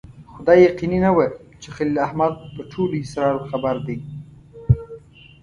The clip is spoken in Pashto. خو دا یقیني نه وه چې خلیل احمد په ټولو اسرارو خبر دی.